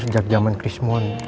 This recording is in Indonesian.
itu sejak zaman krismon